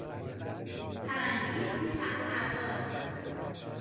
پرندهی کوته پرواز